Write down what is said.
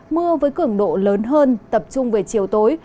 mưa với cường độ lớn hơn tập trung về chiều tối